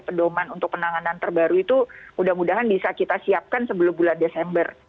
pedoman untuk penanganan terbaru itu mudah mudahan bisa kita siapkan sebelum bulan desember